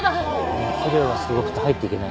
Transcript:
熱量がすごくて入っていけない。